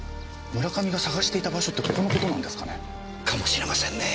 村上が捜していた場所ってここのことなんですかね？かもしれませんね。